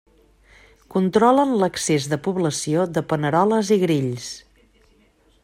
Controlen l'excés de població de paneroles i grills.